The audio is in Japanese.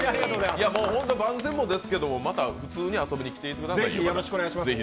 もう本当に番宣もですけど、また普通に遊びに来てくださいよ。